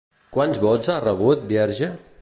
Quants vots ha rebut Bierge?